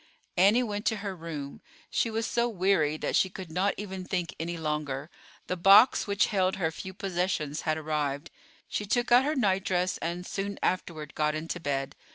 Annie went to her room. She was so weary that she could not even think any longer. The box which held her few possessions had arrived. She took out her nightdress and, soon afterward, got into bed.